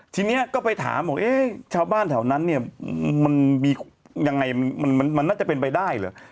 ทีนี้ก็ไปถามว่าเช้าบ้านแถวนั้นเนี่ยมันน่าจะเป็นไปได้หรือ